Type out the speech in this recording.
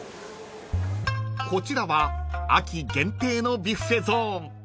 ［こちらは秋限定のビュッフェゾーン］